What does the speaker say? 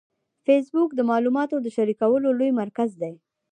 فېسبوک د معلوماتو د شریکولو لوی مرکز دی